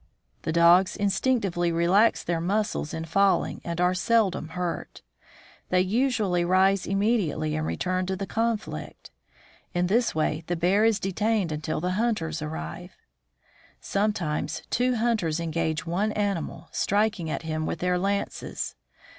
The dogs instinctively relax their muscles in falling, and are seldom hurt; they usually rise immediately and return to the conflict. In this way the bear is detained until the hunters arrive. Sometimes two hunters engage one animal, striking at him with their lances.